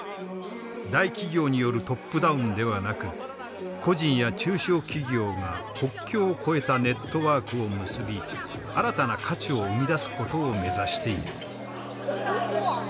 大企業によるトップダウンではなく個人や中小企業が国境を越えたネットワークを結び新たな価値を生み出すことを目指している。